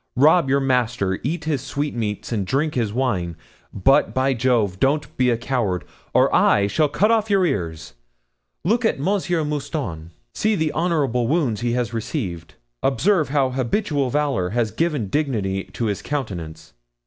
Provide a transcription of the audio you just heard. Rob your master, eat his sweetmeats, and drink his wine; but, by Jove! don't be a coward, or I shall cut off your ears. Look at Monsieur Mouston, see the honorable wounds he has received, observe how his habitual valor has given dignity to his countenance."